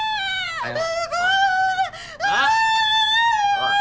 おい。